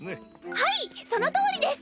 はいそのとおりです！